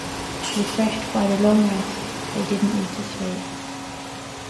Refreshed by the long rest, they didn’t need to sleep.